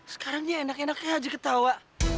sekarangnya enak enaknya aja ketawa